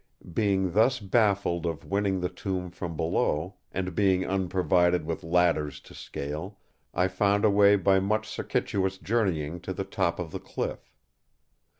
"Being thus baffled of winning the tomb from below, and being unprovided with ladders to scale, I found a way by much circuitous journeying to the top of the cliff.